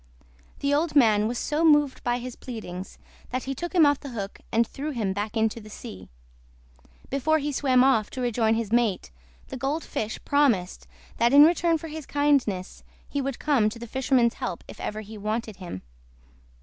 The old man was so moved by his pleadings that he took him off the hook and threw him back into the sea. Before he swam off to rejoin his mate, the Gold Fish promised that in return for his kindness he would come to the fisherman's help if ever he wanted him.